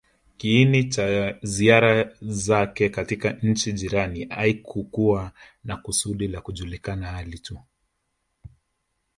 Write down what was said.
iini cha ziara zake katika nchi jirani hakikuwa na kusudi la kujuliana hali tu